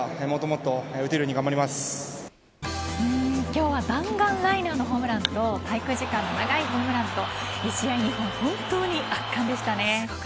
今日は弾丸ライナーのホームランと滞空時間の長いホームランと本当に圧巻でしたね。